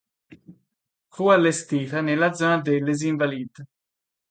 Fu allestita nella zona de Les Invalides.